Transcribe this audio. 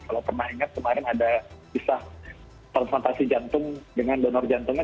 kalau pernah ingat kemarin ada kisah transplantasi jantung dengan donor jantungnya